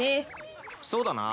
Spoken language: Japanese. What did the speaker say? そうだな。